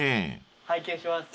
拝見します。